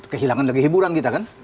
kehilangan lagi hiburan kita kan